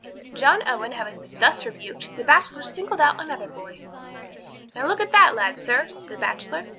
John Owen having been thus rebuked, the Bachelor singled out another boy. "Now, look at that lad, sir," said the Bachelor.